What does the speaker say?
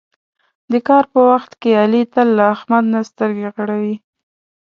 د کار په وخت کې علي تل له احمد نه سترګې غړوي.